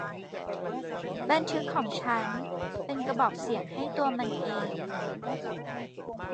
บันทึกของฉันเป็นกระบอกเสียงให้ตัวมันเอง